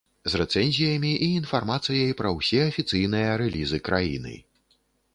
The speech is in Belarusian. З рэцэнзіямі і інфармацыяй пра ўсе афіцыйныя рэлізы краіны.